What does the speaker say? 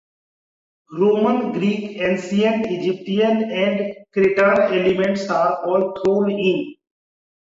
Roman, Greek, Ancient Egyptian and Cretan elements are all thrown in.